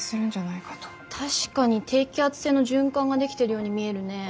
確かに低気圧性の循環が出来てるように見えるね。